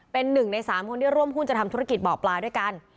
เป็นหนึ่งใน๓คนที่ร่วมหุ้นจะทำธุรกิจบ่อปลาด้วยกัน